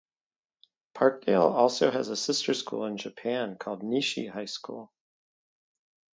Parkdale also has a sister school in Japan called Nishi High School.